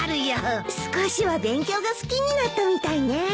少しは勉強が好きになったみたいね。